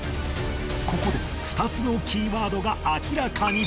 ここで２つのキーワードが明らかに